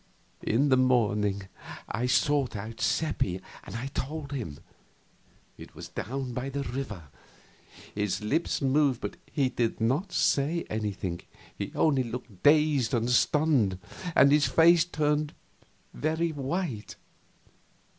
In the morning I sought out Seppi and told him. It was down by the river. His lips moved, but he did not say anything, he only looked dazed and stunned, and his face turned very white.